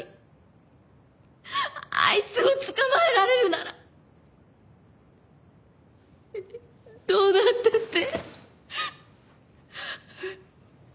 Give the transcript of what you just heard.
あいつを捕まえられるならどうなったって。